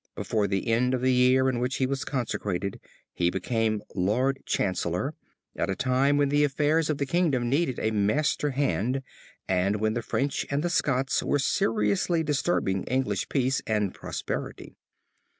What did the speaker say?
Before the end of the year in which he was consecrated he became Lord Chancellor, at a time when the affairs of the kingdom needed a master hand and when the French and the Scots were seriously disturbing English peace and prosperity.